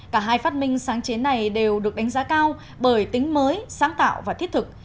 cả hai phát minh sáng chế này đều được đánh giá cao bởi tính mới sáng tạo và thiết thực